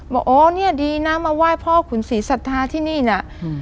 บอกอ๋อเนี่ยดีนะมาไหว้พ่อขุนศรีสัทธาที่นี่น่ะอืม